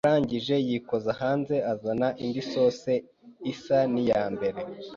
arangije yikoza hanze azana indi sosi isa n’iya mbere